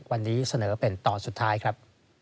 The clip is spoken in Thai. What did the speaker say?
วันนี้เสนอเป็นตอนสุดท้ายครับ